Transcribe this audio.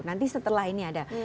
nanti setelah ini ada